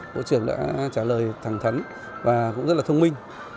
bộ trưởng đã trả lời thẳng thắn và cũng rất là thông minh